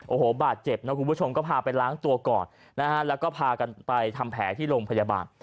โอ้โหบาดเจ็บนะคุณผู้ชมก็พาไปล้างตัวก่อนนะฮะแล้วก็พากันไปทำแผลที่โรงพยาบาล